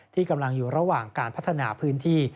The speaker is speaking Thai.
ที่กำลังอยู่ระหว่างการพัฒนาพื้นที่